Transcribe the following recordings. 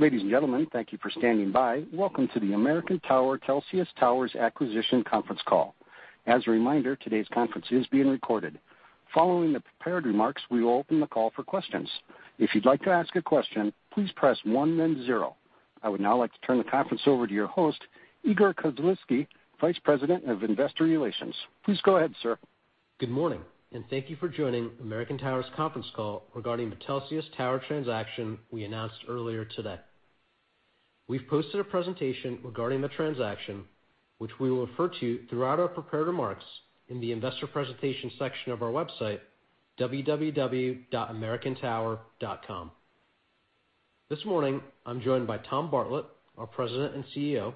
Ladies and gentlemen, thank you for standing by. Welcome to the American Tower Telxius Towers Acquisition conference call. As a reminder, today's conference is being recorded. Following the prepared remarks, we will open the call for questions. If you'd like to ask a question, please press one, then zero. I would now like to turn the conference over to your host, Igor Khislavsky, Vice President of Investor Relations. Please go ahead, sir. Good morning. Thank you for joining American Tower's conference call regarding the Telxius Tower transaction we announced earlier today. We've posted a presentation regarding the transaction, which we will refer to throughout our prepared remarks in the investor presentation section of our website, www.americantower.com. This morning, I'm joined by Tom Bartlett, our President and CEO,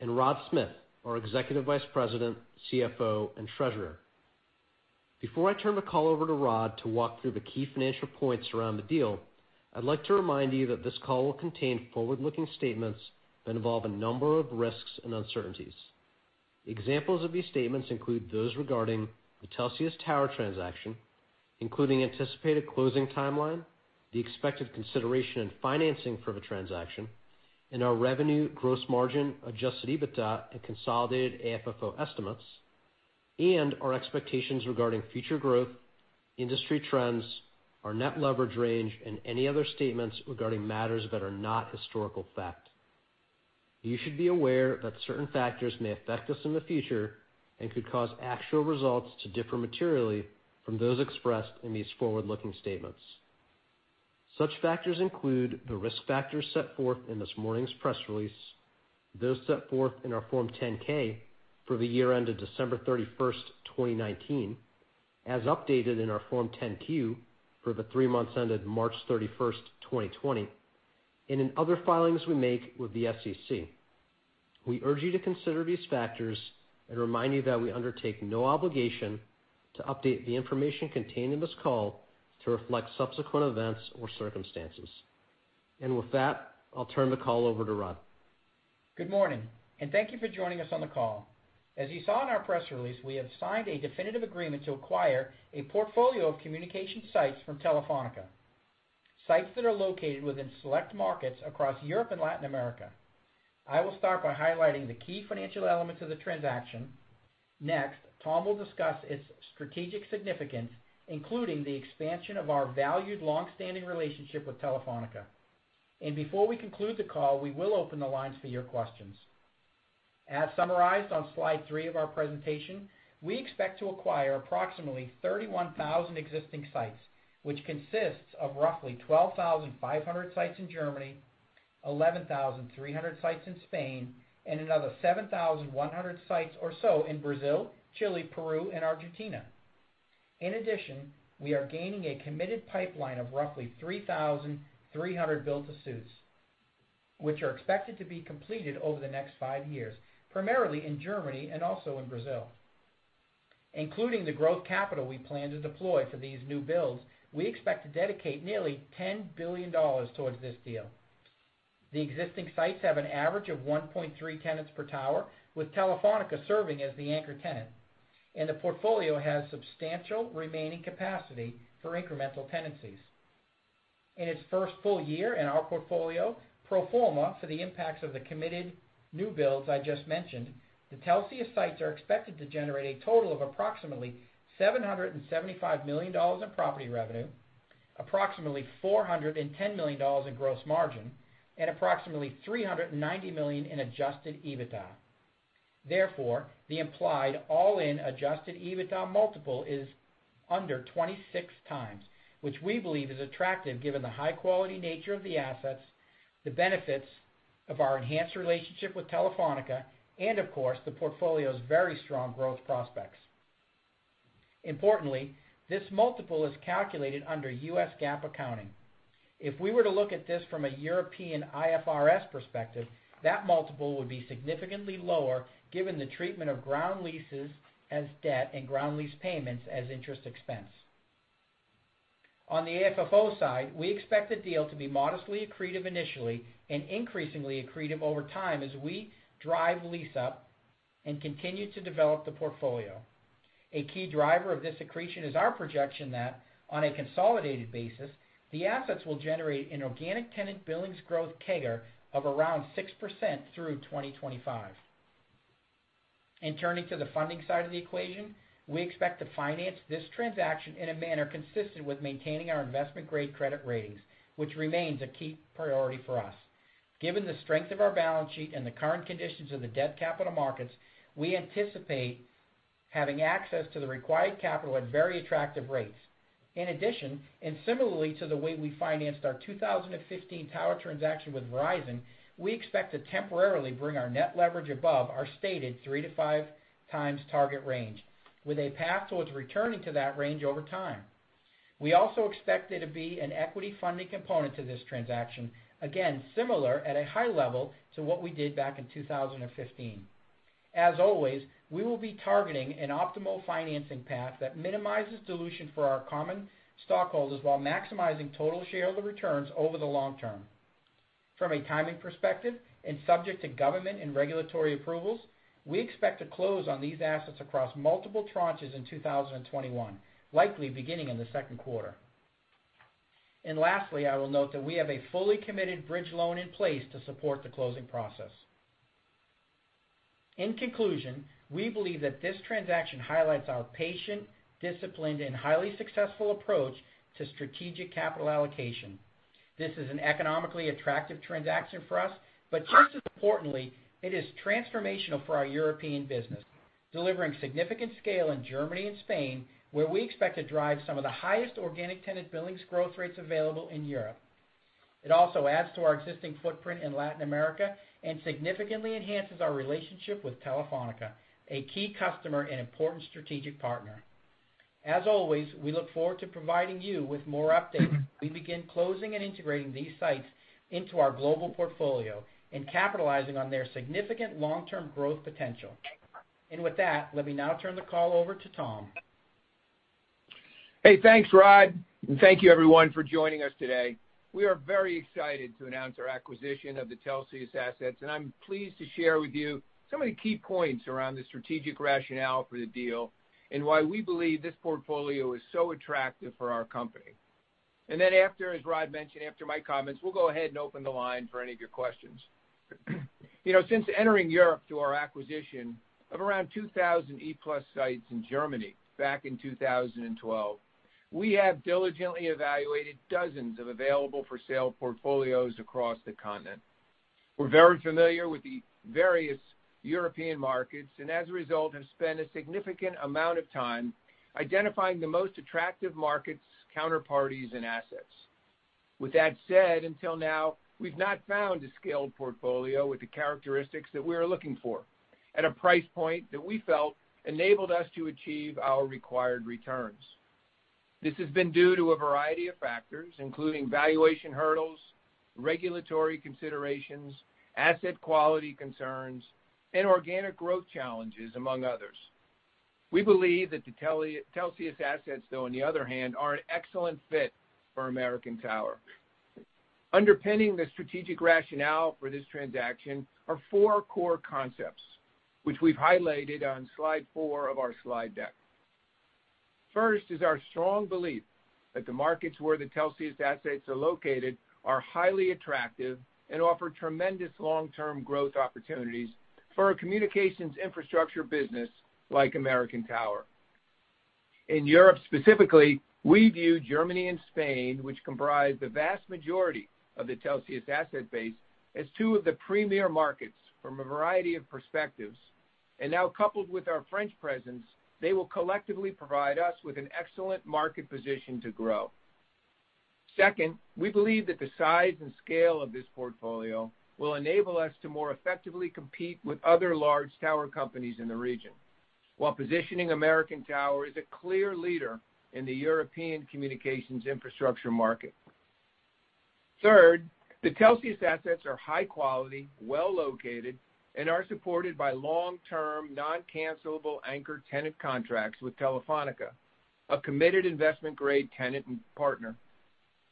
and Rod Smith, our Executive Vice President, CFO, and Treasurer. Before I turn the call over to Rod to walk through the key financial points around the deal, I'd like to remind you that this call will contain forward-looking statements that involve a number of risks and uncertainties. Examples of these statements include those regarding the Telxius Tower transaction, including anticipated closing timeline, the expected consideration and financing for the transaction, and our revenue, gross margin, Adjusted EBITDA, and Consolidated AFFO estimates, and our expectations regarding future growth, industry trends, our net leverage range, and any other statements regarding matters that are not historical fact. You should be aware that certain factors may affect us in the future and could cause actual results to differ materially from those expressed in these forward-looking statements. Such factors include the risk factors set forth in this morning's press release, those set forth in our Form 10-K for the year ended December 31st, 2019, as updated in our Form 10-Q for the three months ended March 31st, 2020, and in other filings we make with the SEC. We urge you to consider these factors and remind you that we undertake no obligation to update the information contained in this call to reflect subsequent events or circumstances. With that, I'll turn the call over to Rod. Good morning, and thank you for joining us on the call. As you saw in our press release, we have signed a definitive agreement to acquire a portfolio of communication sites from Telefónica, sites that are located within select markets across Europe and Latin America. I will start by highlighting the key financial elements of the transaction. Next, Tom will discuss its strategic significance, including the expansion of our valued, longstanding relationship with Telefónica. Before we conclude the call, we will open the lines for your questions. As summarized on slide three of our presentation, we expect to acquire approximately 31,000 existing sites, which consists of roughly 12,500 sites in Germany, 11,300 sites in Spain, and another 7,100 sites or so in Brazil, Chile, Peru, and Argentina. In addition, we are gaining a committed pipeline of roughly 3,300 build-to-suit, which are expected to be completed over the next five years, primarily in Germany and also in Brazil. Including the growth capital we plan to deploy for these new builds, we expect to dedicate nearly $10 billion towards this deal. The existing sites have an average of 1.3 tenants per tower, with Telefónica serving as the anchor tenant, and the portfolio has substantial remaining capacity for incremental tenancies. In its first full year in our portfolio, pro forma for the impacts of the committed new builds I just mentioned, the Telxius sites are expected to generate a total of approximately $775 million in property revenue, approximately $410 million in gross margin, and approximately $390 million in adjusted EBITDA. Therefore, the implied all-in adjusted EBITDA multiple is under 26x, which we believe is attractive given the high-quality nature of the assets, the benefits of our enhanced relationship with Telefónica, and of course, the portfolio's very strong growth prospects. Importantly, this multiple is calculated under U.S. GAAP accounting. If we were to look at this from a European IFRS perspective, that multiple would be significantly lower given the treatment of ground leases as debt and ground lease payments as interest expense. On the AFFO side, we expect the deal to be modestly accretive initially and increasingly accretive over time as we drive lease up and continue to develop the portfolio. A key driver of this accretion is our projection that on a consolidated basis, the assets will generate an organic tenant billings growth CAGR of around 6% through 2025. Turning to the funding side of the equation, we expect to finance this transaction in a manner consistent with maintaining our investment-grade credit ratings, which remains a key priority for us. Given the strength of our balance sheet and the current conditions of the debt capital markets, we anticipate having access to the required capital at very attractive rates. In addition, similarly to the way we financed our 2015 tower transaction with Verizon, we expect to temporarily bring our net leverage above our stated 3-5 times target range, with a path towards returning to that range over time. We also expect there to be an equity funding component to this transaction, again, similar at a high level to what we did back in 2015. As always, we will be targeting an optimal financing path that minimizes dilution for our common stockholders while maximizing total shareholder returns over the long term. From a timing perspective, and subject to government and regulatory approvals, we expect to close on these assets across multiple tranches in 2021, likely beginning in the second quarter. Lastly, I will note that we have a fully committed bridge loan in place to support the closing process. In conclusion, we believe that this transaction highlights our patient, disciplined, and highly successful approach to strategic capital allocation. This is an economically attractive transaction for us, but just as importantly, it is transformational for our European business, delivering significant scale in Germany and Spain, where we expect to drive some of the highest organic tenant billings growth rates available in Europe. It also adds to our existing footprint in Latin America and significantly enhances our relationship with Telefónica, a key customer and important strategic partner. As always, we look forward to providing you with more updates as we begin closing and integrating these sites into our global portfolio and capitalizing on their significant long-term growth potential. With that, let me now turn the call over to Tom. Hey, thanks, Rod, and thank you, everyone, for joining us today. We are very excited to announce our acquisition of the Telxius assets, and I'm pleased to share with you some of the key points around the strategic rationale for the deal and why we believe this portfolio is so attractive for our company. After, as Rod mentioned, after my comments, we'll go ahead and open the line for any of your questions. Since entering Europe through our acquisition of around 2,000 E-Plus sites in Germany back in 2012, we have diligently evaluated dozens of available-for-sale portfolios across the continent. We're very familiar with the various European markets, and as a result, have spent a significant amount of time identifying the most attractive markets, counterparties, and assets. With that said, until now, we've not found a scaled portfolio with the characteristics that we are looking for at a price point that we felt enabled us to achieve our required returns. This has been due to a variety of factors, including valuation hurdles, regulatory considerations, asset quality concerns, and organic growth challenges, among others. We believe that the Telxius assets, though, on the other hand, are an excellent fit for American Tower. Underpinning the strategic rationale for this transaction are four core concepts, which we've highlighted on slide four of our slide deck. First is our strong belief that the markets where the Telxius assets are located are highly attractive and offer tremendous long-term growth opportunities for a communications infrastructure business like American Tower. In Europe specifically, we view Germany and Spain, which comprise the vast majority of the Telxius asset base, as two of the premier markets from a variety of perspectives. Now coupled with our French presence, they will collectively provide us with an excellent market position to grow. Second, we believe that the size and scale of this portfolio will enable us to more effectively compete with other large tower companies in the region while positioning American Tower as a clear leader in the European communications infrastructure market. Third, the Telxius assets are high quality, well-located, and are supported by long-term, non-cancellable anchor tenant contracts with Telefónica, a committed investment-grade tenant and partner.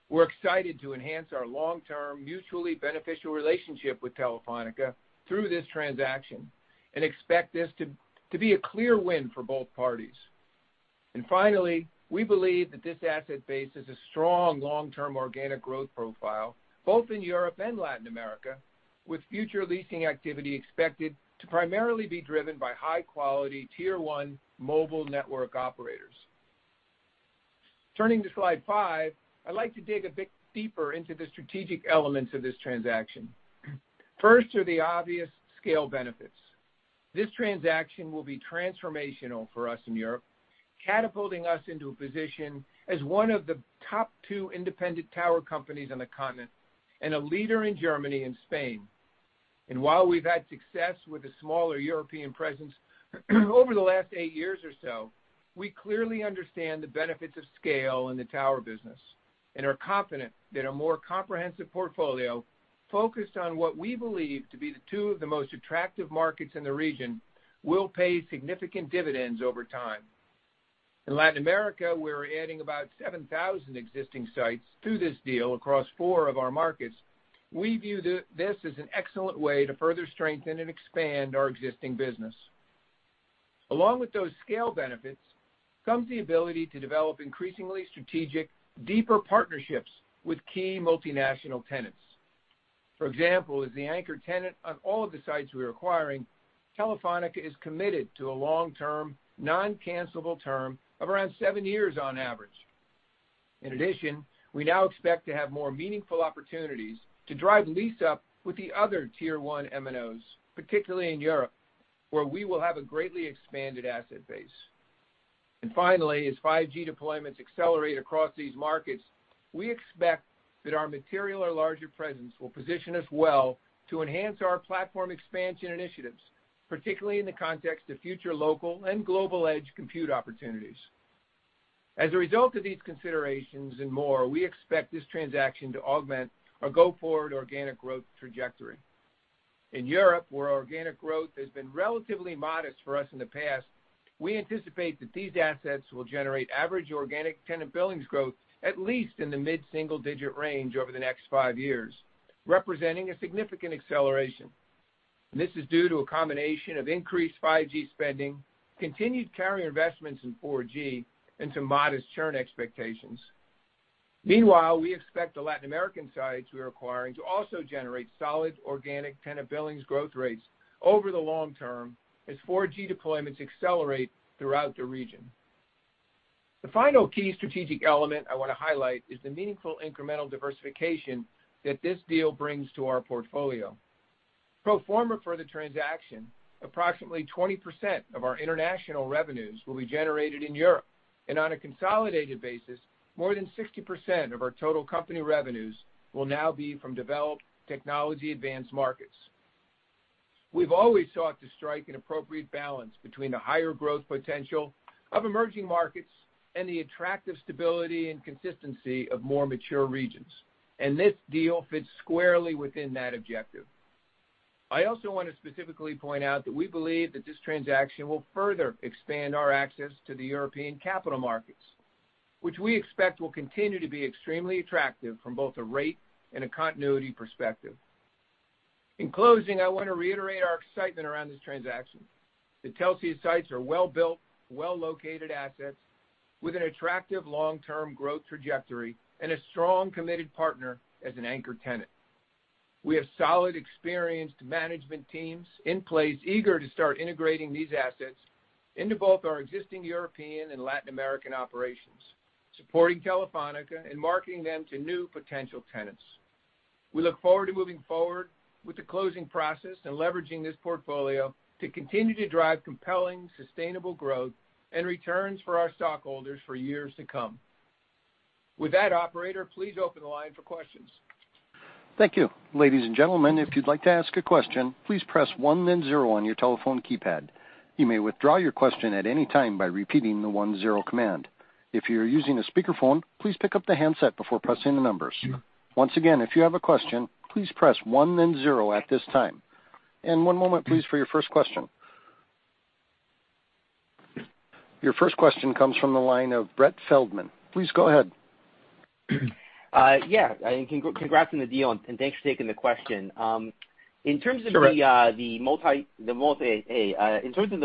We're excited to enhance our long-term, mutually beneficial relationship with Telefónica through this transaction and expect this to be a clear win for both parties. Finally, we believe that this asset base has a strong long-term organic growth profile, both in Europe and Latin America, with future leasing activity expected to primarily be driven by high-quality, tier 1 Mobile Network Operators. Turning to slide five, I'd like to dig a bit deeper into the strategic elements of this transaction. First are the obvious scale benefits. This transaction will be transformational for us in Europe, catapulting us into a position as one of the top two independent tower companies on the continent and a leader in Germany and Spain. While we've had success with a smaller European presence over the last eight years or so, we clearly understand the benefits of scale in the tower business and are confident that a more comprehensive portfolio focused on what we believe to be the two of the most attractive markets in the region will pay significant dividends over time. In Latin America, we're adding about 7,000 existing sites to this deal across four of our markets. We view this as an excellent way to further strengthen and expand our existing business. Along with those scale benefits comes the ability to develop increasingly strategic, deeper partnerships with key multinational tenants. For example, as the anchor tenant on all of the sites we're acquiring, Telefónica is committed to a long-term, non-cancellable term of around seven years on average. In addition, we now expect to have more meaningful opportunities to drive lease-up with the other tier 1 MNOs, particularly in Europe, where we will have a greatly expanded asset base. Finally, as 5G deployments accelerate across these markets, we expect that our material or larger presence will position us well to enhance our platform expansion initiatives, particularly in the context of future local and global edge computing opportunities. As a result of these considerations and more, we expect this transaction to augment our go-forward organic growth trajectory. In Europe, where organic growth has been relatively modest for us in the past, we anticipate that these assets will generate average organic tenant billings growth, at least in the mid-single-digit range over the next five years, representing a significant acceleration. This is due to a combination of increased 5G spending, continued carrier investments in 4G, and some modest churn expectations. Meanwhile, we expect the Latin American sites we're acquiring to also generate solid organic tenant billings growth rates over the long term as 4G deployments accelerate throughout the region. The final key strategic element I want to highlight is the meaningful incremental diversification that this deal brings to our portfolio. Pro forma for the transaction, approximately 20% of our international revenues will be generated in Europe, and on a consolidated basis, more than 60% of our total company revenues will now be from developed technology advanced markets. We've always sought to strike an appropriate balance between the higher growth potential of emerging markets and the attractive stability and consistency of more mature regions, and this deal fits squarely within that objective. I also want to specifically point out that we believe that this transaction will further expand our access to the European capital markets, which we expect will continue to be extremely attractive from both a rate and a continuity perspective. In closing, I want to reiterate our excitement around this transaction. The Telxius sites are well-built, well-located assets with an attractive long-term growth trajectory and a strong, committed partner as an anchor tenant. We have solid, experienced management teams in place eager to start integrating these assets into both our existing European and Latin American operations, supporting Telefónica and marketing them to new potential tenants. We look forward to moving forward with the closing process and leveraging this portfolio to continue to drive compelling, sustainable growth and returns for our stockholders for years to come. With that, operator, please open the line for questions. Thank you. Ladies and gentlemen, if you'd like to ask a question, please press one then zero on your telephone keypad. You may withdraw your question at any time by repeating the one-zero command. If you're using a speakerphone, please pick up the handset before pressing the numbers. Once again, if you have a question, please press one then zero at this time. And one moment, please, for your first question. Your first question comes from the line of Brett Feldman. Please go ahead. Yeah. Congrats on the deal, and thanks for taking the question. Sure. In terms of the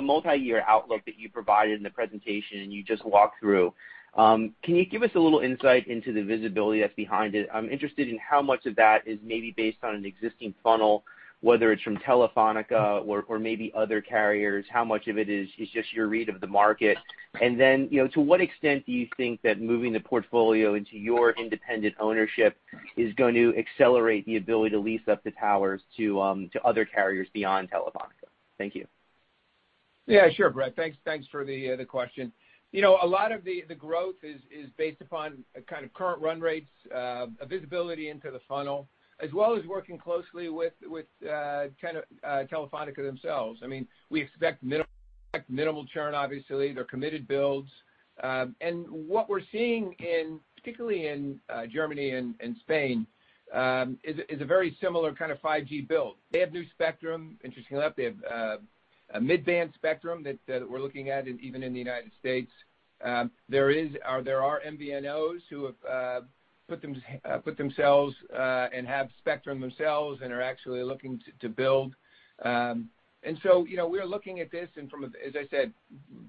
multi-year outlook that you provided in the presentation and you just walked through, can you give us a little insight into the visibility that's behind it? I'm interested in how much of that is maybe based on an existing funnel, whether it's from Telefónica or maybe other carriers. How much of it is just your read of the market? To what extent do you think that moving the portfolio into your independent ownership is going to accelerate the ability to lease up the towers to other carriers beyond Telefónica? Thank you. Yeah, sure, Brett. Thanks for the question. A lot of the growth is based upon kind of current run rates, visibility into the funnel, as well as working closely with Telefónica themselves. We expect minimal churn, obviously. They're committed builds. What we're seeing, particularly in Germany and Spain, is a very similar kind of 5G build. They have new spectrum. Interestingly enough, they have a mid-band spectrum that we're looking at, even in the United States. There are MVNOs who have put themselves and have spectrum themselves and are actually looking to build. We are looking at this and from, as I said,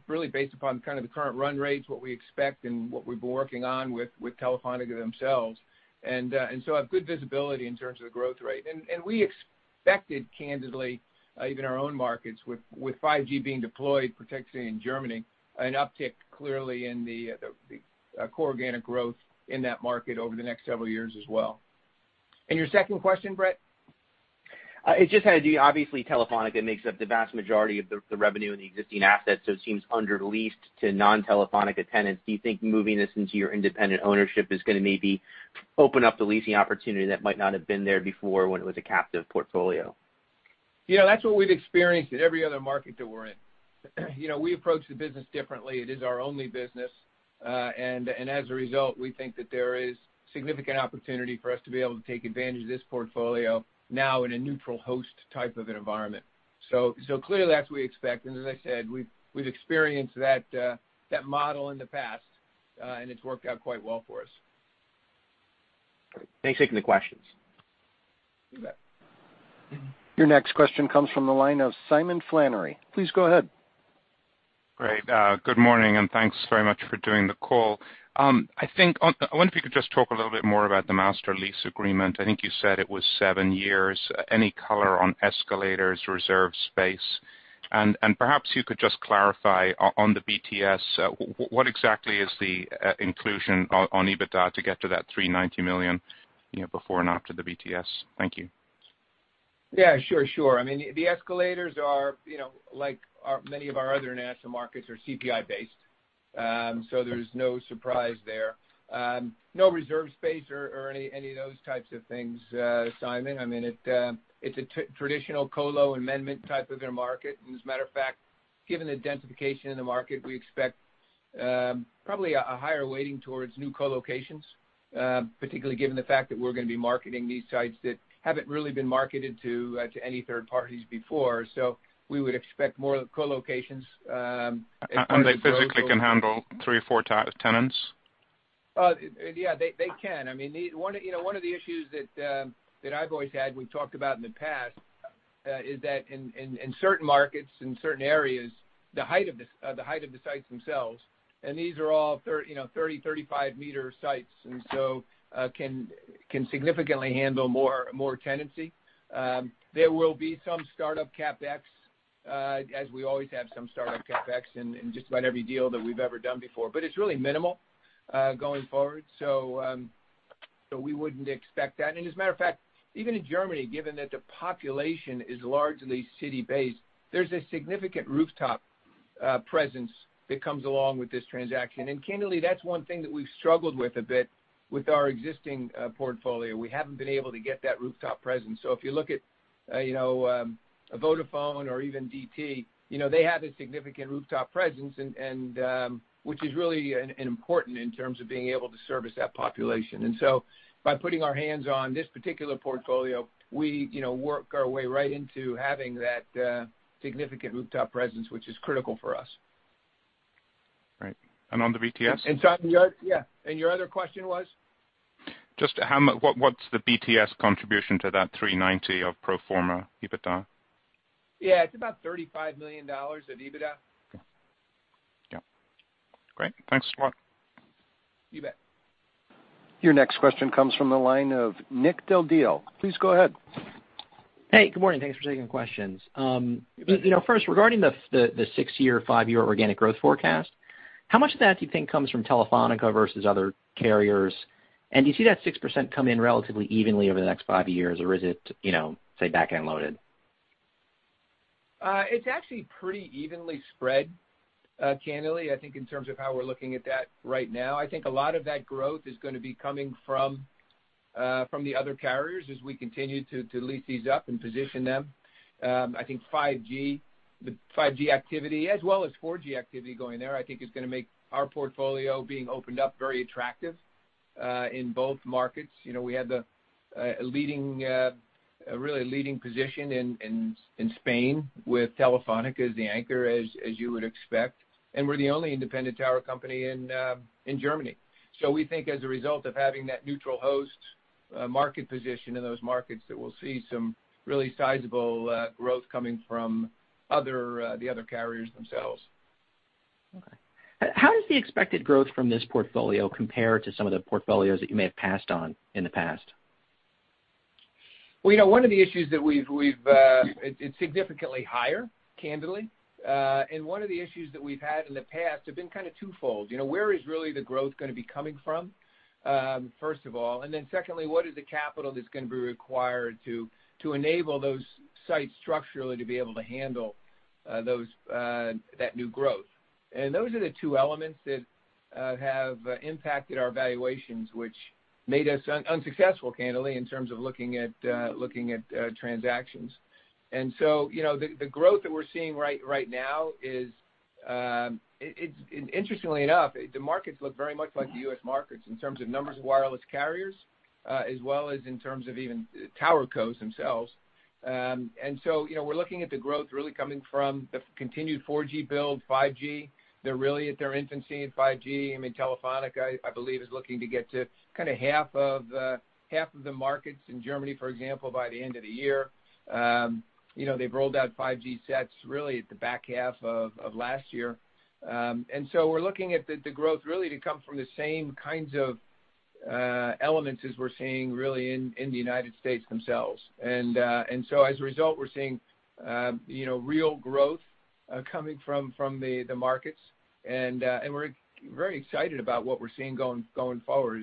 really based upon kind of the current run rates, what we expect and what we've been working on with Telefónica themselves, have good visibility in terms of the growth rate. We expected, candidly, even our own markets, with 5G being deployed, particularly in Germany, an uptick clearly in the core organic growth in that market over the next several years as well. Your second question, Brett? It's just how, obviously Telefónica makes up the vast majority of the revenue in the existing assets, so it seems under-leased to non-Telefónica tenants. Do you think moving this into your independent ownership is going to maybe open up the leasing opportunity that might not have been there before when it was a captive portfolio? That's what we've experienced in every other market that we're in. We approach the business differently. It is our only business. As a result, we think that there is significant opportunity for us to be able to take advantage of this portfolio now in a neutral host type of environment. Clearly, that's what we expect, and as I said, we've experienced that model in the past, and it's worked out quite well for us. Great. Thanks for taking the questions. You bet. Your next question comes from the line of Simon Flannery. Please go ahead. Great. Good morning, and thanks very much for doing the call. I wonder if you could just talk a little bit more about the master lease agreement. I think you said it was seven years. Any color on escalators, reserve space? Perhaps you could just clarify on the BTS, what exactly is the inclusion on EBITDA to get to that $390 million before and after the BTS? Thank you. Yeah, sure. The escalators are, like many of our other national markets, are CPI based. There's no surprise there. No reserve space or any of those types of things, Simon. It's a traditional colo amendment type of a market. As a matter of fact, given the densification in the market, we expect probably a higher weighting towards new colocations, particularly given the fact that we're going to be marketing these sites that haven't really been marketed to any third parties before. We would expect more colocations as part of the growth. They physically can handle three or four tenants? They can. One of the issues that I've always had, we've talked about in the past, is that in certain markets, in certain areas, the height of the sites themselves, these are all 30, 35-meter sites, can significantly handle more tenancy. There will be some startup CapEx, as we always have some startup CapEx in just about every deal that we've ever done before. It's really minimal going forward, we wouldn't expect that. As a matter of fact, even in Germany, given that the population is largely city-based, there's a significant rooftop presence that comes along with this transaction. Candidly, that's one thing that we've struggled with a bit with our existing portfolio. We haven't been able to get that rooftop presence. If you look at Vodafone or even DT, they have a significant rooftop presence, which is really important in terms of being able to service that population. By putting our hands on this particular portfolio, we work our way right into having that significant rooftop presence, which is critical for us. Right. On the BTS? Tom, yeah. Your other question was? Just what's the BTS contribution to that $390 of pro forma EBITDA? Yeah, it's about $35 million of EBITDA. Yep. Great. Thanks a lot. You bet. Your next question comes from the line of Nick Del Deo. Please go ahead. Hey, good morning. Thanks for taking the questions. You bet. First, regarding the six-year, five-year organic growth forecast, how much of that do you think comes from Telefónica versus other carriers? Do you see that 6% come in relatively evenly over the next five years, or is it, say, back-end loaded? It's actually pretty evenly spread, candidly, I think in terms of how we're looking at that right now. I think a lot of that growth is going to be coming from the other carriers as we continue to lease these up and position them. I think 5G activity as well as 4G activity going there, I think is going to make our portfolio being opened up very attractive, in both markets. We had a really leading position in Spain with Telefónica as the anchor, as you would expect, and we're the only independent tower company in Germany. We think as a result of having that neutral host market position in those markets, that we'll see some really sizable growth coming from the other carriers themselves. Okay. How does the expected growth from this portfolio compare to some of the portfolios that you may have passed on in the past? Well, it's significantly higher, candidly. One of the issues that we've had in the past have been kind of twofold. Where is really the growth going to be coming from, first of all, and then secondly, what is the capital that's going to be required to enable those sites structurally to be able to handle that new growth? Those are the two elements that have impacted our valuations, which made us unsuccessful, candidly, in terms of looking at transactions. The growth that we're seeing right now is, interestingly enough, the markets look very much like the U.S. markets in terms of numbers of wireless carriers, as well as in terms of even tower cos themselves. We're looking at the growth really coming from the continued 4G build, 5G. They're really at their infancy in 5G. Telefónica, I believe, is looking to get to kind of half of the markets in Germany, for example, by the end of the year. They've rolled out 5G sets really at the back half of last year. We're looking at the growth really to come from the same kinds of elements as we're seeing really in the United States themselves. As a result, we're seeing real growth coming from the markets, and we're very excited about what we're seeing going forward.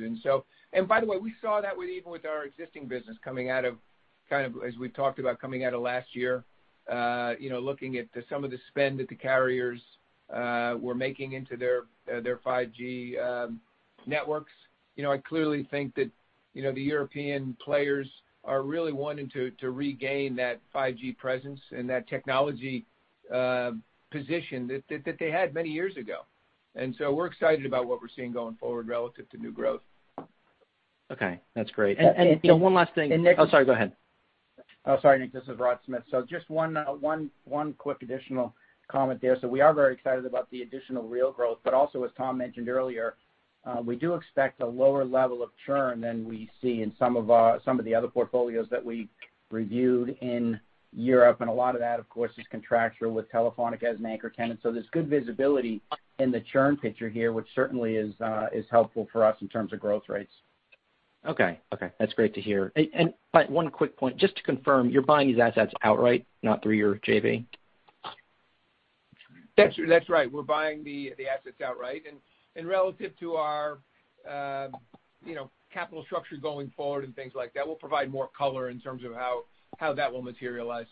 By the way, we saw that even with our existing business coming out of, as we talked about, coming out of last year, looking at some of the spend that the carriers were making into their 5G networks. I clearly think that the European players are really wanting to regain that 5G presence and that technology position that they had many years ago. We're excited about what we're seeing going forward relative to new growth. Okay. That's great. One last thing. Nic. Oh, sorry, go ahead. Oh, sorry, Nick. This is Rod Smith. Just one quick additional comment there. We are very excited about the additional real growth, but also, as Tom mentioned earlier, we do expect a lower level of churn than we see in some of the other portfolios that we reviewed in Europe. A lot of that, of course, is contractual with Telefónica as an anchor tenant. There's good visibility in the churn picture here, which certainly is helpful for us in terms of growth rates. Okay. That's great to hear. One quick point, just to confirm, you're buying these assets outright, not through your JV? That's right. We're buying the assets outright. Relative to our capital structure going forward and things like that, we'll provide more color in terms of how that will materialize.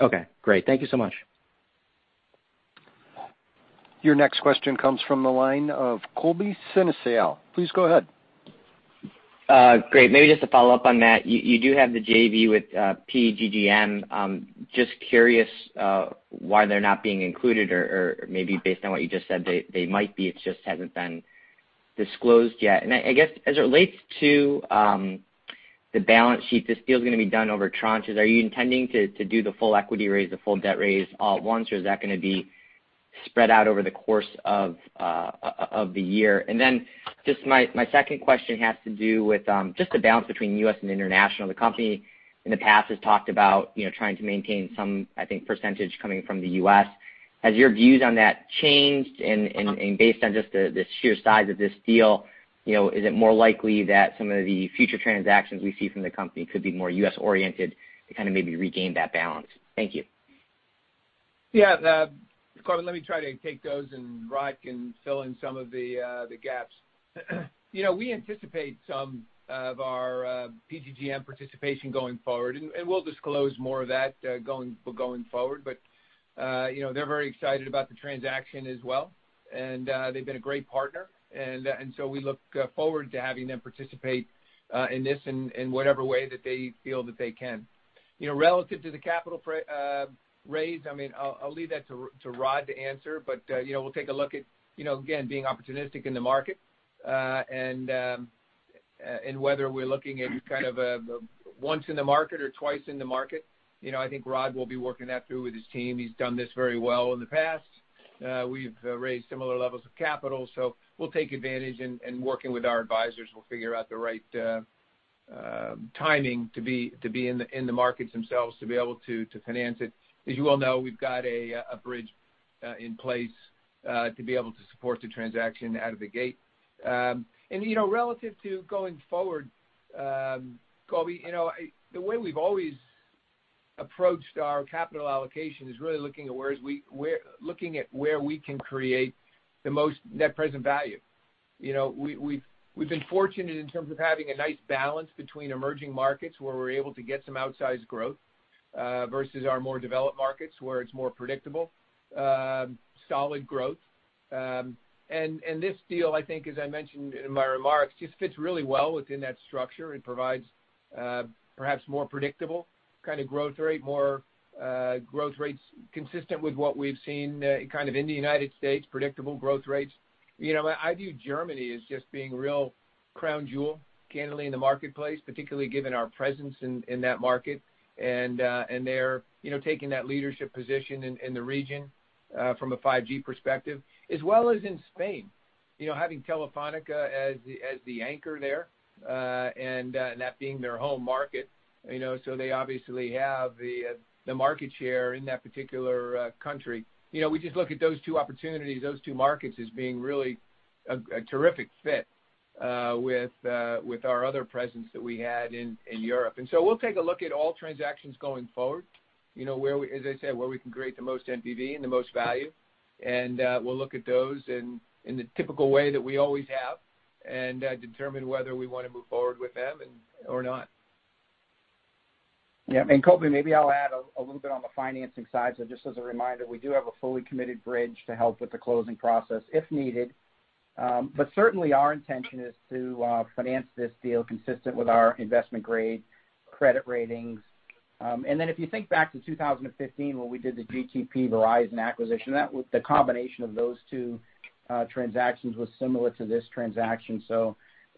Okay, great. Thank you so much. Your next question comes from the line of Colby Synesael. Please go ahead. Great. Maybe just to follow up on that, you do have the JV with PGGM. Just curious why they're not being included or maybe based on what you just said, they might be, it just hasn't been disclosed yet. I guess as it relates to the balance sheet, this deal's going to be done over tranches. Are you intending to do the full equity raise, the full debt raise all at once, or is that going to be spread out over the course of the year? Then just my second question has to do with just the balance between U.S. and international. The company in the past has talked about trying to maintain some, I think, percentage coming from the U.S. Has your views on that changed? Based on just the sheer size of this deal, is it more likely that some of the future transactions we see from the company could be more U.S.-oriented to kind of maybe regain that balance? Thank you. Yeah. Colby, let me try to take those. Rod can fill in some of the gaps. We anticipate some of our PGGM participation going forward. We'll disclose more of that going forward. They're very excited about the transaction as well. They've been a great partner. We look forward to having them participate in this in whatever way that they feel that they can. Relative to the capital raise, I'll leave that to Rod to answer. We'll take a look at, again, being opportunistic in the market, whether we're looking at kind of a once in the market or twice in the market. I think Rod will be working that through with his team. He's done this very well in the past. We've raised similar levels of capital, we'll take advantage and working with our advisors, we'll figure out the right timing to be in the markets themselves, to be able to finance it. As you well know, we've got a bridge in place, to be able to support the transaction out of the gate. Relative to going forward, Colby, the way we've always approached our capital allocation is really looking at where we can create the most net present value. We've been fortunate in terms of having a nice balance between emerging markets where we're able to get some outsized growth, versus our more developed markets, where it's more predictable, solid growth. This deal, I think as I mentioned in my remarks, just fits really well within that structure and provides perhaps more predictable kind of growth rates consistent with what we've seen kind of in the United States, predictable growth rates. I view Germany as just being real crown jewel, candidly, in the marketplace, particularly given our presence in that market. They're taking that leadership position in the region, from a 5G perspective, as well as in Spain. Having Telefónica as the anchor there, and that being their home market, so they obviously have the market share in that particular country. We just look at those two opportunities, those two markets as being really a terrific fit with our other presence that we had in Europe. We'll take a look at all transactions going forward, as I said, where we can create the most NPV and the most value. We'll look at those in the typical way that we always have, and determine whether we want to move forward with them or not. Yeah. Colby, maybe I'll add a little bit on the financing side. Just as a reminder, we do have a fully committed bridge to help with the closing process if needed. Certainly our intention is to finance this deal consistent with our investment-grade credit ratings. If you think back to 2015 when we did the GTP Verizon acquisition, the combination of those two transactions was similar to this transaction.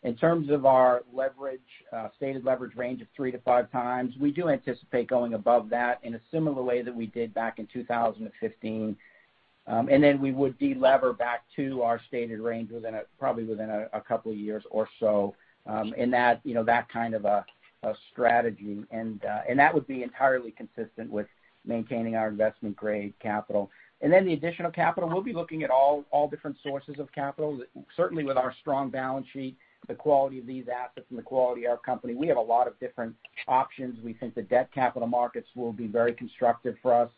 In terms of our stated leverage range of three to five times, we do anticipate going above that in a similar way that we did back in 2015. We would de-lever back to our stated range probably within a couple of years or so, in that kind of a strategy. That would be entirely consistent with maintaining our investment-grade capital. Then the additional capital, we'll be looking at all different sources of capital. Certainly with our strong balance sheet, the quality of these assets and the quality of our company, we have a lot of different options. We think the debt capital markets will be very constructive for us.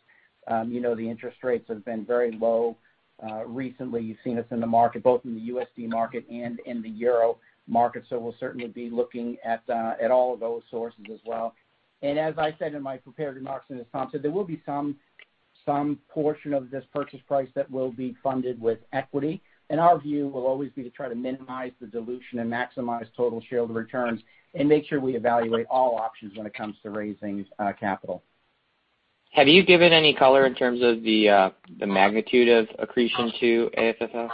The interest rates have been very low. Recently you've seen us in the market, both in the USD market and in the EUR market, we'll certainly be looking at all of those sources as well. As I said in my prepared remarks and as Tom said, there will be some portion of this purchase price that will be funded with equity. Our view will always be to try to minimize the dilution and maximize total shareholder returns and make sure we evaluate all options when it comes to raising capital. Have you given any color in terms of the magnitude of accretion to AFFO?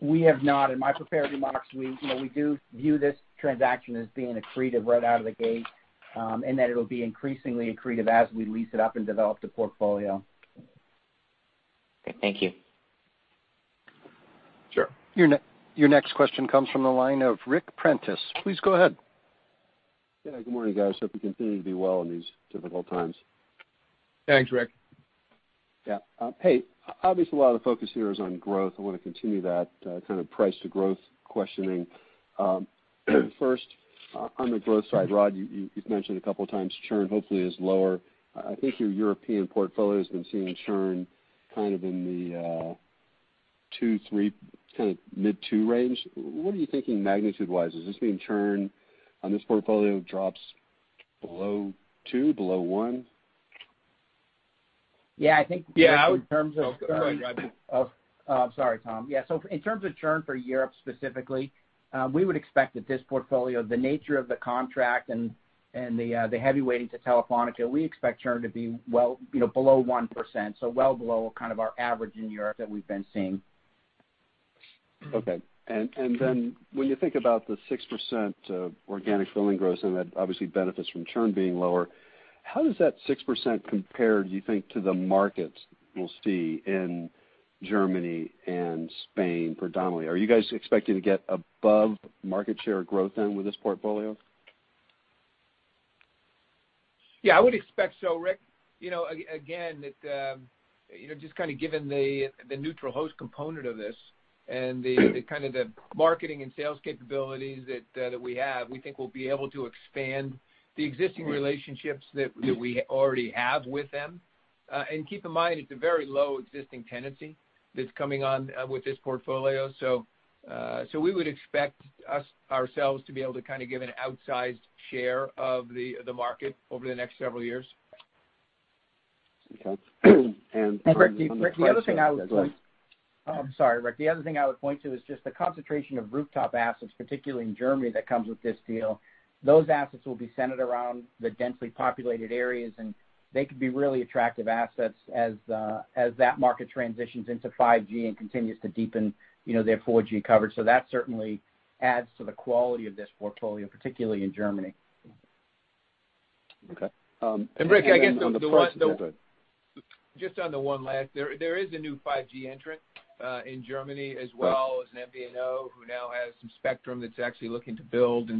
We have not. In my prepared remarks, we do view this transaction as being accretive right out of the gate, and that it'll be increasingly accretive as we lease it up and develop the portfolio. Okay. Thank you. Sure. Your next question comes from the line of Ric Prentiss. Please go ahead. Yeah. Good morning, guys. Hope you continue to be well in these difficult times. Thanks, Ric. Hey, obviously a lot of the focus here is on growth. I want to continue that, kind of price to growth questioning. First, on the growth side, Rod, you've mentioned a couple of times churn hopefully is lower. I think your European portfolio has been seeing churn kind of in the two, three, kind of mid-2 range. What are you thinking magnitude-wise? Does this mean churn on this portfolio drops below two, below one? Yeah, I think- Yeah. In terms of- Oh, go ahead, Rod. I'm sorry, Tom. Yeah, in terms of churn for Europe specifically, we would expect that this portfolio, the nature of the contract and the heavy weighting to Telefónica, we expect churn to be well below 1%, well below kind of our average in Europe that we've been seeing. Okay. When you think about the 6% organic billing growth, and that obviously benefits from churn being lower, how does that 6% compare, do you think, to the markets we'll see in Germany and Spain predominantly? Are you guys expecting to get above market share growth then with this portfolio? Yeah, I would expect so, Ric. Again, just kind of given the neutral host component of this and the kind of the marketing and sales capabilities that we have, we think we'll be able to expand the existing relationships that we already have with them. Keep in mind, it's a very low existing tenancy that's coming on with this portfolio. We would expect ourselves to be able to kind of give an outsized share of the market over the next several years. Okay. On the price side. Ric, the other thing I would point to is just the concentration of rooftop assets, particularly in Germany, that comes with this deal. Those assets will be centered around the densely populated areas, and they could be really attractive assets as that market transitions into 5G and continues to deepen their 4G coverage. That certainly adds to the quality of this portfolio, particularly in Germany. Okay. Ric, I guess just on the one last, there is a new 5G entrant in Germany as well as an MVNO who now has some spectrum that's actually looking to build.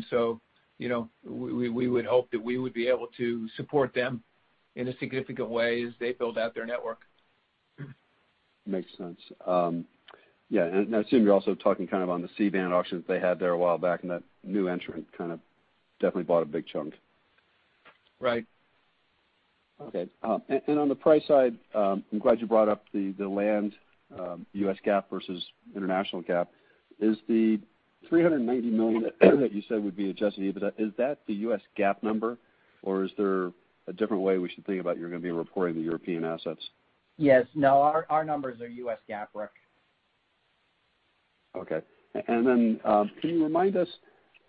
We would hope that we would be able to support them in a significant way as they build out their network. Makes sense. Yeah, I assume you're also talking kind of on the C-band auctions they had there a while back. That new entrant kind of definitely bought a big chunk. Right. Okay. On the price side, I'm glad you brought up the land, U.S. GAAP versus international GAAP. Is the $390 million that you said would be adjusted EBITDA, is that the U.S. GAAP number, or is there a different way we should think about you're gonna be reporting the European assets? Yes. No, our numbers are U.S. GAAP, Ric. Okay. Can you remind us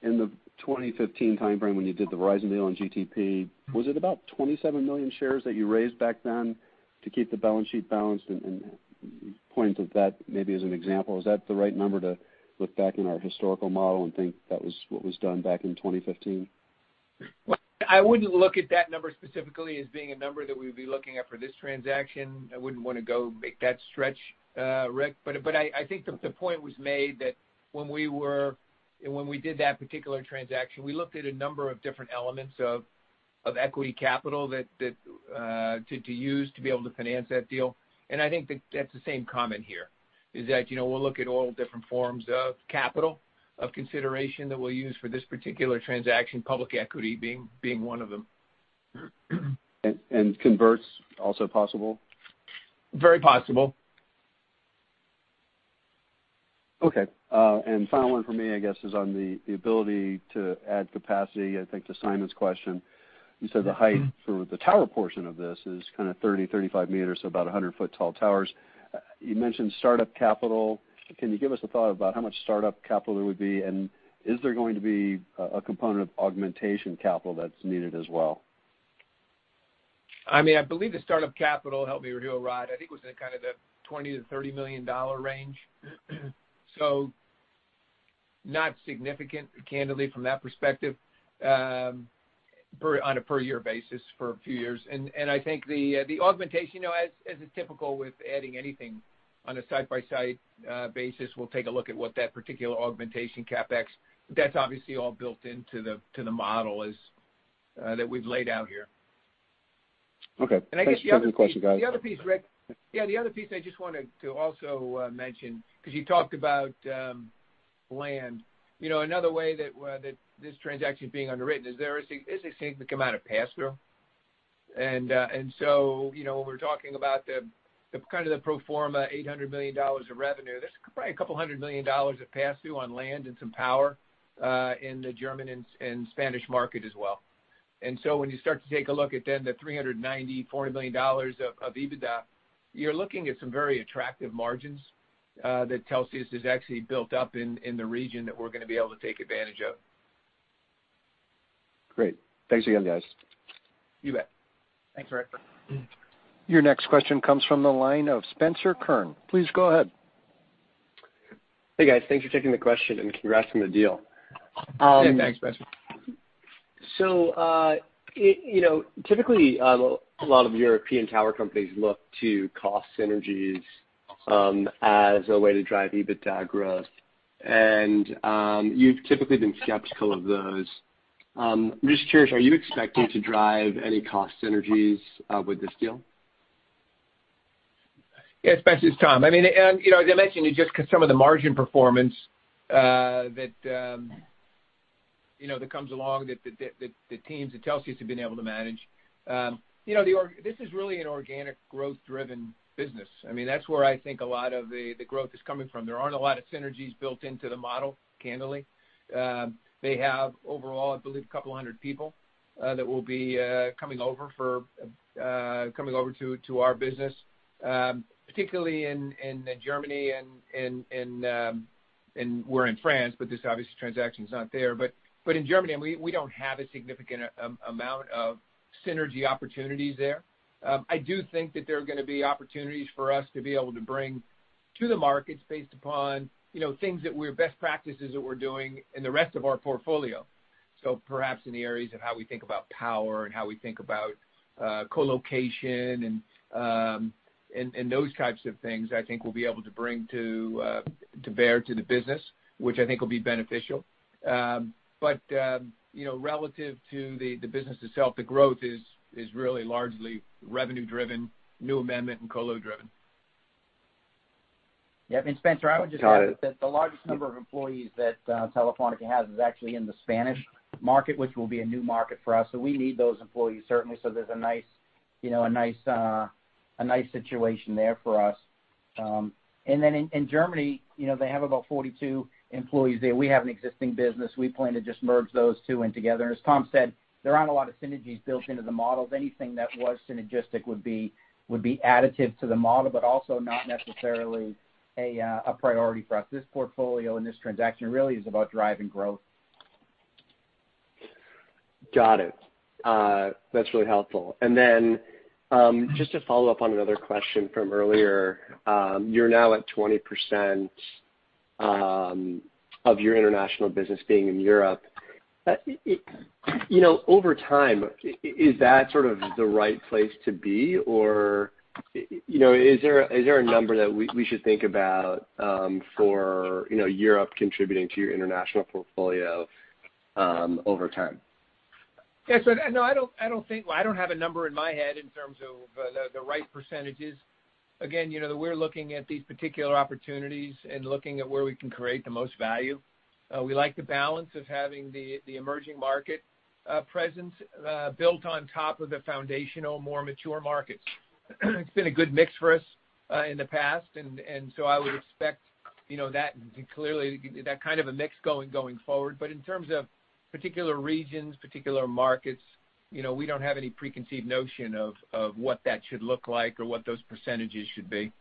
in the 2015 timeframe when you did the Verizon deal and GTP, was it about 27 million shares that you raised back then to keep the balance sheet balanced and point to that maybe as an example? Is that the right number to look back in our historical model and think that was what was done back in 2015? Well, I wouldn't look at that number specifically as being a number that we'd be looking at for this transaction. I wouldn't want to go make that stretch, Ric. I think that the point was made that when we did that particular transaction, we looked at a number of different elements of equity capital to use to be able to finance that deal, and I think that that's the same comment here. Is that we'll look at all different forms of capital, of consideration that we'll use for this particular transaction, public equity being one of them. Converts also possible? Very possible. Okay. Final one from me, I guess, is on the ability to add capacity. I think to Simon's question, you said the height for the tower portion of this is kind of 30, 35 meters, so about 100-foot-tall towers. You mentioned startup capital. Can you give us a thought about how much startup capital it would be, and is there going to be a component of augmentation capital that's needed as well? I believe the startup capital, help me here, Rod, I think was in kind of the $20 million-$30 million range. Not significant, candidly, from that perspective, on a per year basis for a few years. I think the augmentation, as is typical with adding anything on a side-by-side basis, we'll take a look at what that particular augmentation CapEx. That's obviously all built into the model that we've laid out here. Okay. Thanks. The other question, guys. The other piece, Ric. Yeah, the other piece I just wanted to also mention, because you talked about land. Another way that this transaction is being underwritten is there is a significant amount of pass-through. So, when we're talking about the kind of the pro forma $800 million of revenue, there's probably a couple hundred million dollars of pass-through on land and some power, in the German and Spanish market as well. So when you start to take a look at then the $390 million-$400 million of EBITDA, you're looking at some very attractive margins that Telxius has actually built up in the region that we're gonna be able to take advantage of. Great. Thanks again, guys. You bet. Thanks, Ric. Your next question comes from the line of Spencer Kurn. Please go ahead. Hey, guys. Thanks for taking the question, and congrats on the deal. Yeah, thanks, Spencer. Typically, a lot of European tower companies look to cost synergies as a way to drive EBITDA growth. You've typically been skeptical of those. I'm just curious, are you expecting to drive any cost synergies with this deal? Yeah, Spencer, it's Tom. As I mentioned, just because some of the margin performance that comes along that the teams at Telxius have been able to manage. This is really an organic growth-driven business. That's where I think a lot of the growth is coming from. There aren't a lot of synergies built into the model, candidly. They have, overall, I believe, a couple of hundred people that will be coming over to our business. Particularly in Germany and we're in France, but this obviously transaction's not there, but in Germany, we don't have a significant amount of synergy opportunities there. I do think that there are going to be opportunities for us to be able to bring to the markets based upon things that we're best practices that we're doing in the rest of our portfolio. Perhaps in the areas of how we think about power and how we think about colocation and those types of things, I think we'll be able to bring to bear to the business, which I think will be beneficial. Relative to the business itself, the growth is really largely revenue driven, new amendment and colo driven. Yeah. Spencer, I would just add that the largest number of employees that Telefónica has is actually in the Spanish market, which will be a new market for us. We need those employees certainly, so there's a nice situation there for us. In Germany, they have about 42 employees there. We have an existing business. We plan to just merge those two in together. As Tom said, there aren't a lot of synergies built into the models. Anything that was synergistic would be additive to the model, but also not necessarily a priority for us. This portfolio and this transaction really is about driving growth. Got it. That's really helpful. Then, just to follow up on another question from earlier, you're now at 20% of your international business being in Europe. Over time, is that sort of the right place to be? Or, is there a number that we should think about for Europe contributing to your international portfolio over time? Yeah. No, I don't have a number in my head in terms of the right percentages. Again, we're looking at these particular opportunities and looking at where we can create the most value. We like the balance of having the emerging market presence built on top of the foundational, more mature markets. It's been a good mix for us in the past. I would expect that kind of a mix going forward. In terms of particular regions, particular markets, we don't have any preconceived notion of what that should look like or what those percentages should be.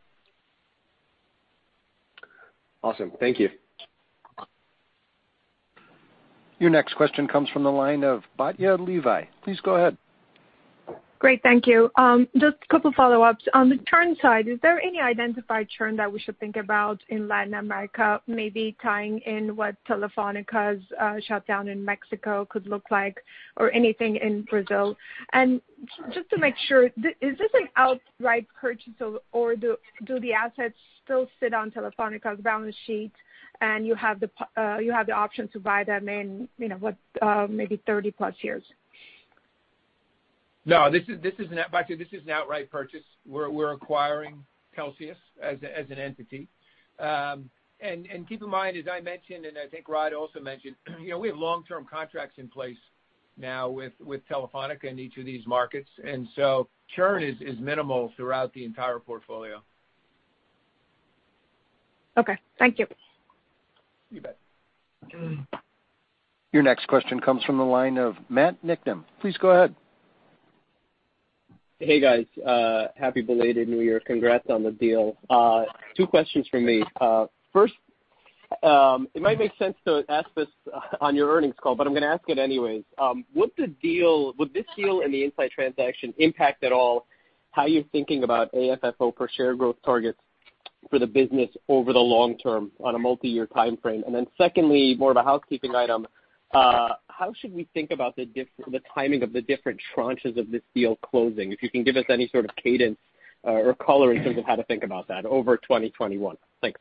Awesome. Thank you. Your next question comes from the line of Batya Levi. Please go ahead. Great. Thank you. Just a couple follow-ups. On the churn side, is there any identified churn that we should think about in Latin America, maybe tying in what Telefónica's shutdown in Mexico could look like or anything in Brazil? Just to make sure, is this an outright purchase, or do the assets still sit on Telefónica's balance sheet and you have the option to buy them in maybe 30 plus years? No. Batya, this is an outright purchase. We're acquiring Telxius as an entity. Keep in mind, as I mentioned, and I think Rod also mentioned, we have long-term contracts in place now with Telefónica in each of these markets. Churn is minimal throughout the entire portfolio. Okay. Thank you. You bet. Your next question comes from the line of Matt Niknam. Please go ahead. Hey, guys. Happy belated New Year. Congrats on the deal. Two questions from me. First, it might make sense to ask this on your earnings call, I'm going to ask it anyways. Would this deal and the InSite transaction impact at all how you're thinking about AFFO per share growth targets for the business over the long term on a multi-year timeframe? Secondly, more of a housekeeping item. How should we think about the timing of the different tranches of this deal closing? If you can give us any sort of cadence or color in terms of how to think about that over 2021. Thanks.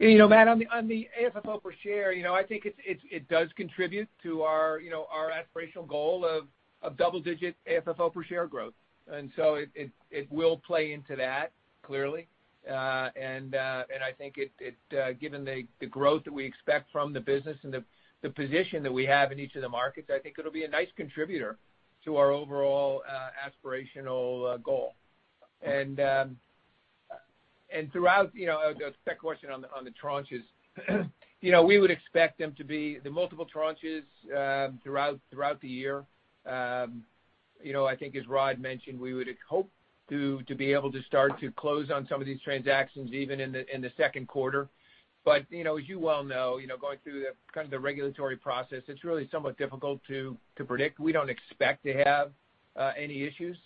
Matt, on the AFFO per share, I think it does contribute to our aspirational goal of double-digit AFFO per share growth. It will play into that, clearly. I think given the growth that we expect from the business and the position that we have in each of the markets, I think it'll be a nice contributor to our overall aspirational goal. Throughout that question on the tranches, we would expect them to be the multiple tranches throughout the year. I think as Rod mentioned, we would hope to be able to start to close on some of these transactions even in the second quarter. As you well know, going through the regulatory process, it's really somewhat difficult to predict. We don't expect to have any issues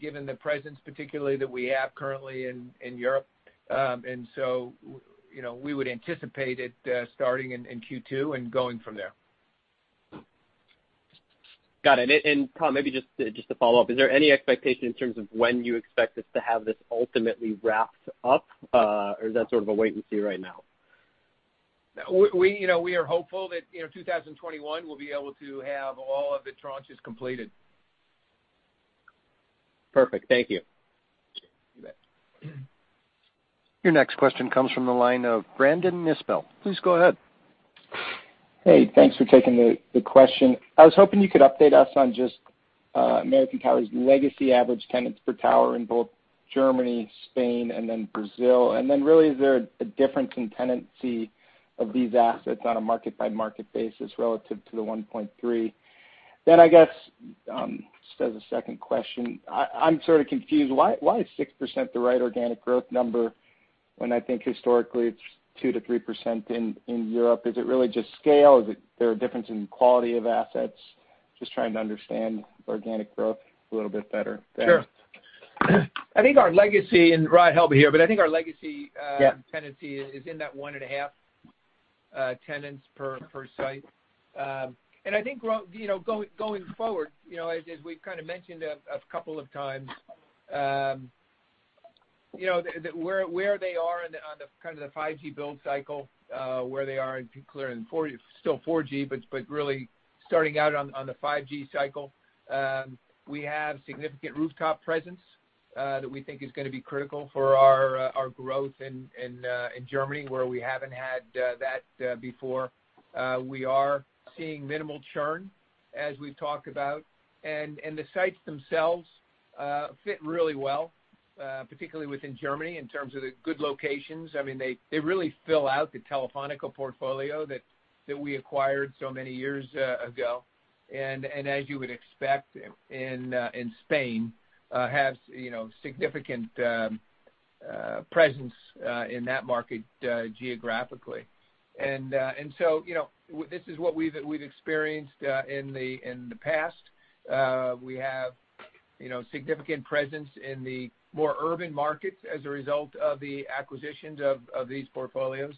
given the presence particularly that we have currently in Europe. We would anticipate it starting in Q2 and going from there. Got it. Tom, maybe just to follow up, is there any expectation in terms of when you expect us to have this ultimately wrapped up? Is that sort of a wait and see right now? We are hopeful that 2021 we'll be able to have all of the tranches completed. Perfect. Thank you. You bet. Your next question comes from the line of Brandon Nispel. Please go ahead. Hey, thanks for taking the question. I was hoping you could update us on just American Tower's legacy average tenants per tower in both Germany, Spain, and then Brazil. Really, is there a difference in tenancy of these assets on a market-by-market basis relative to the 1.3? I guess, just as a second question, I'm sort of confused, why is 6% the right organic growth number when I think historically, it's 2%-3% in Europe? Is it really just scale? Is there a difference in quality of assets? Just trying to understand organic growth a little bit better there. Sure. I think our legacy, and Rod will help me here, but. Yeah tenancy is in that 1.5 tenants per site. I think, going forward, as we've kind of mentioned a couple of times, where they are on the 5G build cycle, where they are still in 4G, but really starting out on the 5G cycle. We have significant rooftop presence that we think is going to be critical for our growth in Germany, where we haven't had that before. We are seeing minimal churn, as we've talked about. The sites themselves fit really well, particularly within Germany, in terms of the good locations. They really fill out the Telefónica portfolio that we acquired so many years ago. As you would expect, in Spain, have significant presence in that market geographically. So, this is what we've experienced in the past. We have significant presence in the more urban markets as a result of the acquisitions of these portfolios.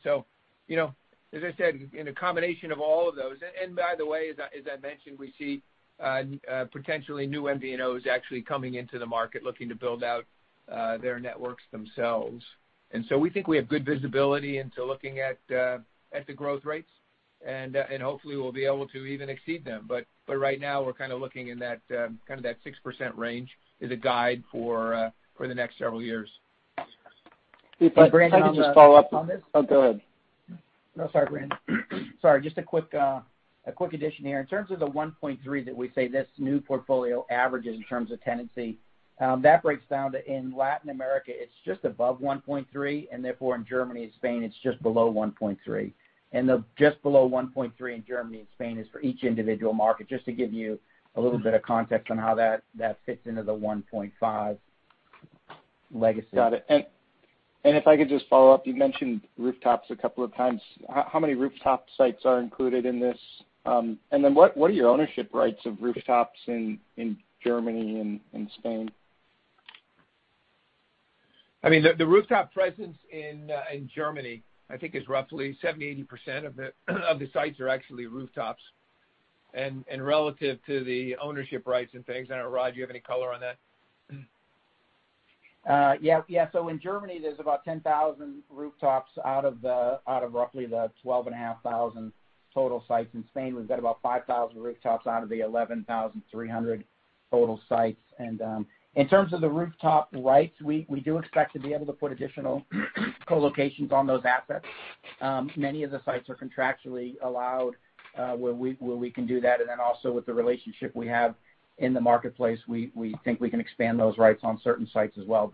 As I said, in a combination of all of those, and by the way, as I mentioned, we see potentially new MVNOs actually coming into the market looking to build out their networks themselves. We think we have good visibility into looking at the growth rates, and hopefully we'll be able to even exceed them. Right now, we're looking in that 6% range as a guide for the next several years. Hey, Rod, can I just follow up on this? Oh, go ahead. No, sorry, Brandon. Sorry, just a quick addition here. In terms of the 1.3 that we say this new portfolio averages in terms of tenancy, that breaks down to, in Latin America, it's just above 1.3, and therefore in Germany and Spain, it's just below 1.3. The just below 1.3 in Germany and Spain is for each individual market, just to give you a little bit of context on how that fits into the 1.5 legacy. Got it. If I could just follow up, you've mentioned rooftops a couple of times. How many rooftop sites are included in this? What are your ownership rights of rooftops in Germany and Spain? The rooftop presence in Germany, I think, is roughly 70%-80% of the sites are actually rooftops. Relative to the ownership rights and things, I don't know, Rod, do you have any color on that? In Germany, there's about 10,000 rooftops out of roughly the 12,500 total sites. In Spain, we've got about 5,000 rooftops out of the 11,300 total sites. In terms of the rooftop rights, we do expect to be able to put additional colocations on those assets. Many of the sites are contractually allowed, where we can do that. Then also with the relationship we have in the marketplace, we think we can expand those rights on certain sites as well.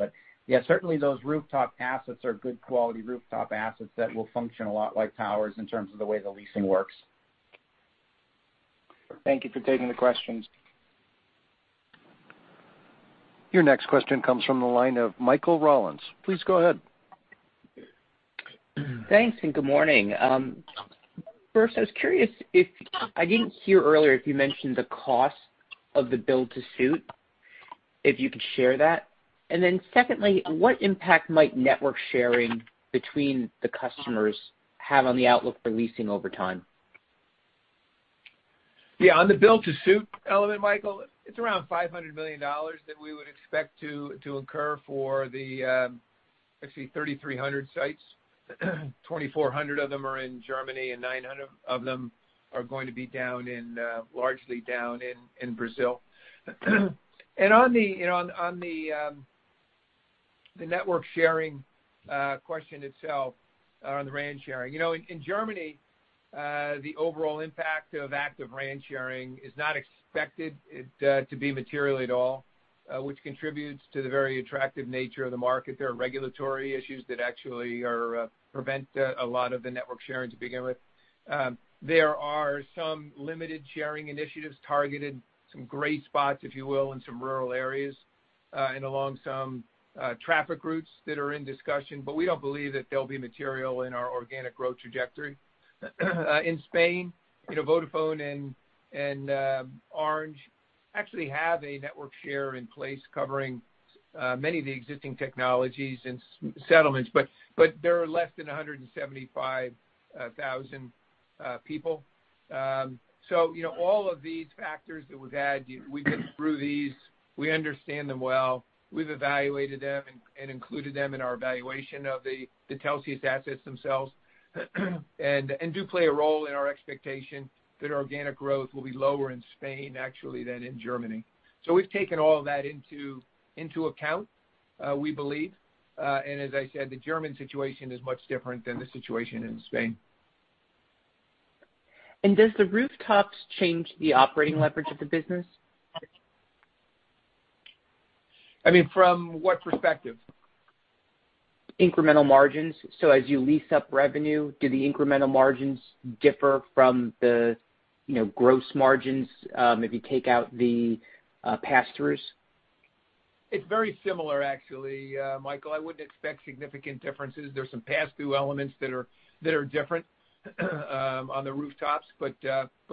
Certainly those rooftop assets are good quality rooftop assets that will function a lot like towers in terms of the way the leasing works. Thank you for taking the questions. Your next question comes from the line of Michael Rollins. Please go ahead. Thanks. Good morning. First, I was curious, I didn't hear earlier if you mentioned the cost of the build-to-suit, if you could share that? Secondly, what impact might network sharing between the customers have on the outlook for leasing over time? Yeah, on the build-to-suit element, Michael, it's around $500 million that we would expect to incur for the actually 3,300 sites. 2,400 of them are in Germany, and 900 of them are going to be largely down in Brazil. On the network sharing question itself, on the RAN sharing. In Germany, the overall impact of active RAN sharing is not expected to be material at all, which contributes to the very attractive nature of the market. There are regulatory issues that actually prevent a lot of the network sharing to begin with. There are some limited sharing initiatives targeted, some great spots, if you will, in some rural areas, and along some traffic routes that are in discussion. We don't believe that they'll be material in our organic growth trajectory. In Spain, Vodafone and Orange actually have a network share in place covering many of the existing technologies and settlements, but there are less than 175,000 people. All of these factors that we've had, we've been through these, we understand them well. We've evaluated them and included them in our evaluation of the Telxius assets themselves, and do play a role in our expectation that organic growth will be lower in Spain, actually, than in Germany. We've taken all of that into account, we believe. As I said, the German situation is much different than the situation in Spain. Does the rooftops change the operating leverage of the business? From what perspective? Incremental margins. As you lease up revenue, do the incremental margins differ from the gross margins, if you take out the pass-throughs? It's very similar, actually, Michael. I wouldn't expect significant differences. There's some pass-through elements that are different on the rooftops, but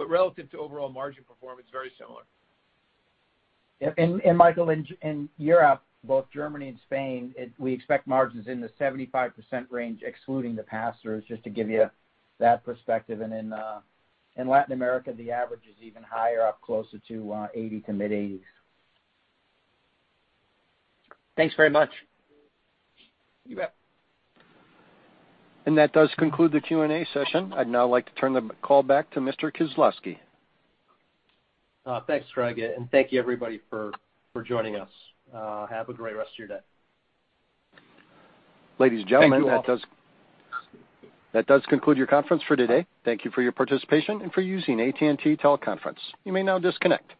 relative to overall margin performance, very similar. Yeah. Michael, in Europe, both Germany and Spain, we expect margins in the 75% range, excluding the pass-throughs, just to give you that perspective. In Latin America, the average is even higher, up closer to 80% to mid-80s. Thanks very much. You bet. That does conclude the Q&A session. I'd now like to turn the call back to Mr. Khislavsky. Thanks, Greg, and thank you, everybody, for joining us. Have a great rest of your day. Ladies and gentlemen. Thank you all. that does conclude your conference for today. Thank you for your participation and for using AT&T Teleconference. You may now disconnect.